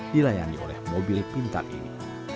dilayani oleh mobil pintar ini